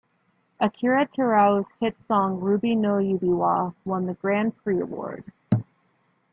Akira Terao's hit song "Ruby no Yubiwa" won the Grand Prix award.